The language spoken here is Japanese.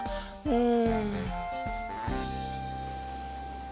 うん。